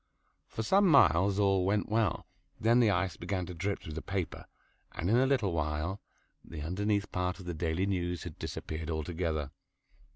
For some miles all went well. Then the ice began to drip through the paper, and in a little while, the underneath part of "The Daily News" had disappeared altogether.